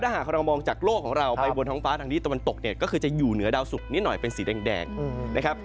หากเรามองจากโลกของเราไปบนท้องฟ้าทางนี้ตะวันตกเนี่ยก็คือจะอยู่เหนือดาวสุกนิดหน่อยเป็นสีแดงนะครับ